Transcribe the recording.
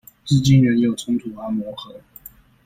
至今仍有衝突和磨合